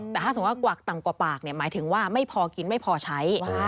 แต่ถ้าสมมุติว่ากวักต่ำกว่าปากหมายถึงว่าไม่พอกินไม่พอใช้